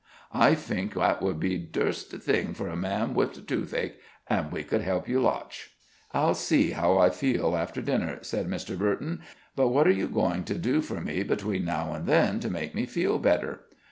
I fink that would be dzust the fing for a man wif the toothache. And we could help you lotsh." "I'll see how I feel after dinner," said Mr. Burton. "But what are you going to do for me between now and then, to make me feel better?"